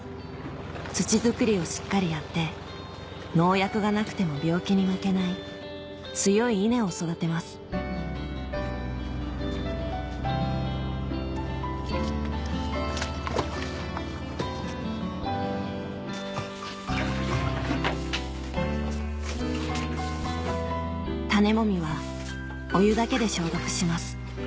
土作りをしっかりやって農薬がなくても病気に負けない強い稲を育てます種もみはお湯だけで消毒します